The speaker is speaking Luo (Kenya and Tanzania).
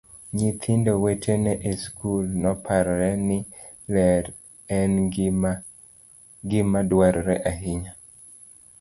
Nyithindo wetene e skul noparone ni ler en gima dwarore ahinya.